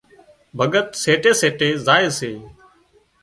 ڀڳت سيٽي سيٽي زائي سي